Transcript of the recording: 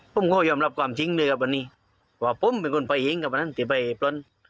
พุ่มยอมรับความจริงด้วยครับว่าผมเป็นคนไปเยี่ยมคือกับคนซึ่งเลย